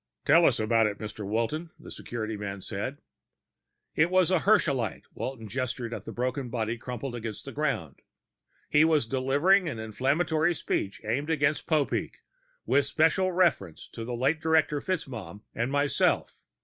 "Tell us about it, Mr. Walton," the security man said. "It was a Herschelite." Walton gestured at the broken body crumpled against the ground. "He was delivering an inflammatory speech aimed against Popeek, with special reference to the late Director FitzMaugham and myself.